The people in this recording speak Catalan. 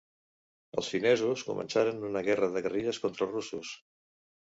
Els finesos començaren una guerra de guerrilles contra els russos.